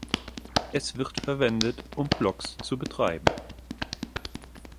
Es wird verwendet, um Blogs zu betreiben.